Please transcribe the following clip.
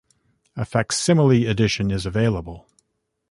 A facsimile edition is available.